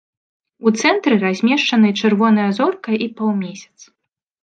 У цэнтры размешчаны чырвоная зорка і паўмесяц.